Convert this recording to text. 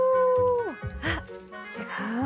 あっすごい。